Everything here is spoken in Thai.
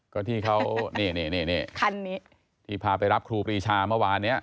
ก็ที่เขานี่ที่พาไปรับครูปลีชาเมื่อวานเนี้ย